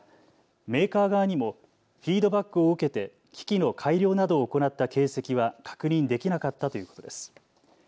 メーカー側にもフィードバックを受けて機器の改良などを行った形跡は確認できなかったということです。